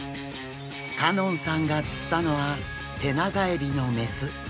香音さんが釣ったのはテナガエビの雌。